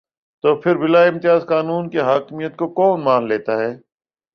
تو پھر بلا امتیاز قانون کی حاکمیت کو مان لیتا ہے۔